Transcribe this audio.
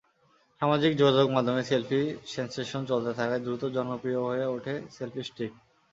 সামাজিক যোগাযোগ মাধ্যমে সেলফি সেনসেশন চলতে থাকায় দ্রুতই জনপ্রিয় হয়ে ওঠে সেলফি স্টিক।